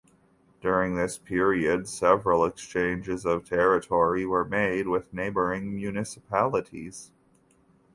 During this period, several exchanges of territory were made with neighboring municipalities.